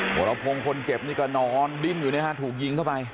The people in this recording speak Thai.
โหแล้วพรงคนเจ็บนี่ก็นอนดิ้งอยู่นะครับถูกยิงเข้าไป